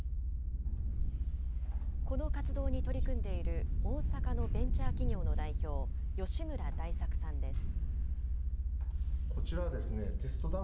この活動に取り組んでいる大阪のベンチャー企業の代表、吉村大作さんです。